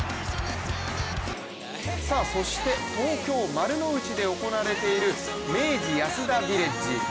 そして東京・丸の内で行われている明治安田ヴィレッジ。